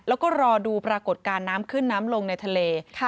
แล้วก็รอดูปรากฏการณ์น้ำขึ้นน้ำลงในทะเล